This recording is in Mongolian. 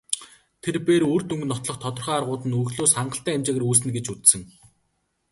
Тэр бээр үр дүнг нотлох тодорхой аргууд нь өгөгдлөөс хангалттай хэмжээгээр үүснэ гэж үзсэн.